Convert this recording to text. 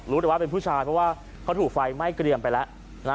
รู้แต่ว่าเป็นผู้ชายเพราะว่าเขาถูกไฟไหม้เกรียมไปแล้ว